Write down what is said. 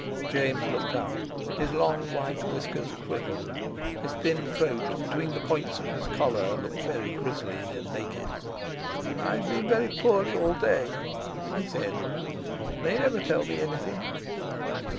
James looked up; his long white whiskers quivered, his thin throat between the points of his collar looked very gristly and naked. "I've been very poorly all day," he said; "they never tell me anything."